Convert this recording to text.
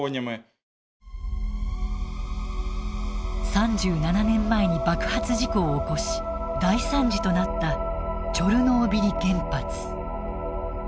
３７年前に爆発事故を起こし大惨事となったチョルノービリ原発。